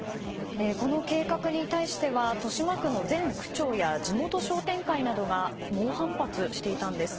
この計画に対しては豊島区の前区長や地元商店会などが猛反発していたんです。